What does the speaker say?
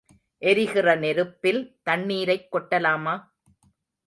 எரிகிற நெருப்பில் தண்ணீரைக் கொட்டலாமா?